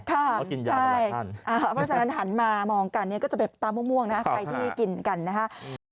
เพราะฉะนั้นหันมามองกันก็จะเป็นตาม่วงใครที่กินกันนะครับ